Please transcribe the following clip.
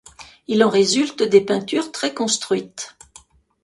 Il en résulte des peintures très construites.